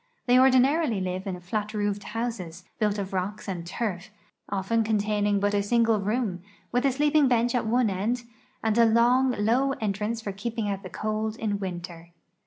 The.v ordinarily live in flat roofed houses, built of rocks and turf, often contain ing but a single room, with a sleeping bench at one end and a long, low entrance for keeping out the cold in winter.